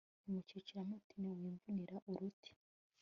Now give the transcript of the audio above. rimucikiramo nti Wimvunira uruti